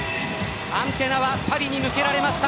アンテナはパリに向けられました。